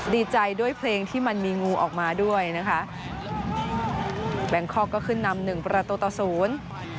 ดีใจด้วยเพลงที่มันมีงูออกมาด้วยนะคะแบงคอกก็ขึ้นนำหนึ่งประตูต่อศูนย์